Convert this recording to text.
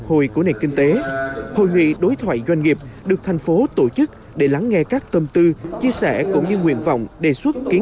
hội đồng nhân dân tp giao là yếu tố hàng đầu